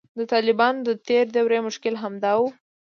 د طالبانو د تیر دور مشکل همدا و